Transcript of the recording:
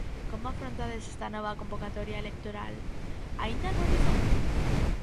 Como afrontades esta nova convocatoria electoral, aínda no horizonte?